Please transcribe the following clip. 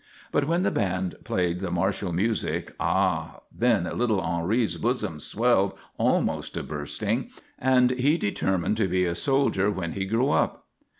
But when the band played the martial music, ah, then little Henri's bosom swelled almost to bursting, and he determined to be a soldier when he grew up.